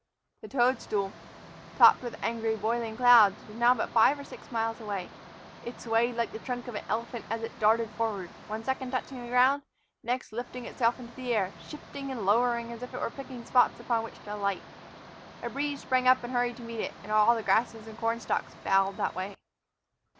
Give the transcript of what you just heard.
The toad stool, topped with angry, boiling clouds, was now but five or six miles away. It swayed like the trunk of an elephant as it darted forward, one second touching the ground, the next lifting itself into the air, shifting and lowering as if it were picking spots upon which to alight. A breeze sprang up and hurried to meet it, and all the grass and corn stalks bowed that way.